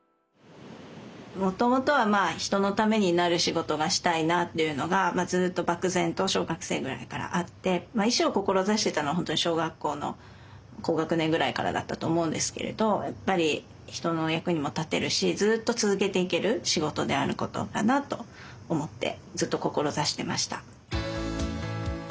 もともとは人のためになる仕事がしたいなっていうのがずっと漠然と小学生ぐらいからあって医師を志してたのは小学校の高学年ぐらいからだったと思うんですけれどやっぱり人の役にも立てるしずっと続けていける仕事であることだなと思ってずっと志してました。